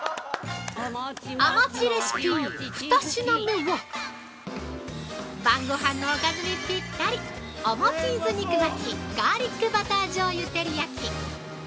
◆お餅レシピ、２品目は晩ごはんのおかずにぴったりおもチーズ肉巻きガーリックバター醤油照り焼き。